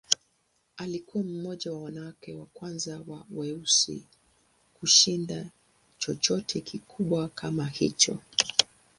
Alikuwa mmoja wa wanawake wa kwanza wa weusi kushinda chochote kikubwa kama hicho.